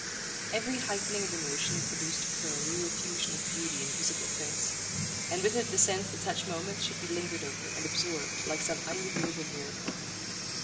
Every heightening of emotion produced for her a new effusion of beauty in visible things, and with it the sense that such moments should be lingered over and absorbed like some unrenewable miracle.